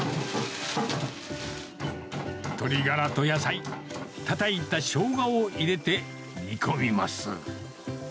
鶏がらと野菜、たたいたしょうがを入れて煮込みます。